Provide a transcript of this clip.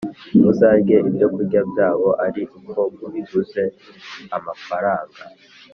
Muzarye ibyokurya byabo ari uko mubiguze amafaranga,